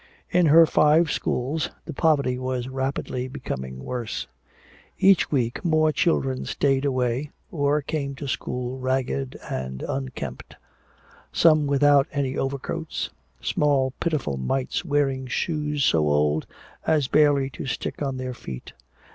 In her five schools the poverty was rapidly becoming worse. Each week more children stayed away or came to school ragged and unkempt, some without any overcoats, small pitiful mites wearing shoes so old as barely to stick on their feet.